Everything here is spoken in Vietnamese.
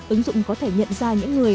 ứng dụng có thể nhận ra những người